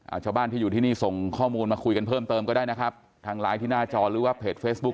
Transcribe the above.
ชาวบ้านที่อยู่ที่นี่ส่งข้อมูลมาคุยกันเพิ่มเติมก็ได้นะครับทางไลน์ที่หน้าจอหรือว่าเพจเฟซบุ๊ค